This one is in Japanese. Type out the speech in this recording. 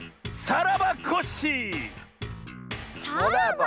「さらばコッシー」？